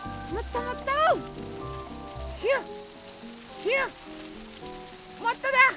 もっとだ！